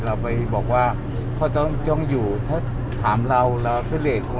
เราไปบอกว่าเขาต้องอยู่ถ้าถามเราเราก็เลยกลัว